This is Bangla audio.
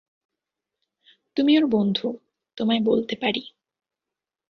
তুমি ওর বন্ধু, তোমায় বলতে পারি।